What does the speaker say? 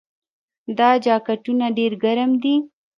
دا جاکټونه ډیر ګرم دي.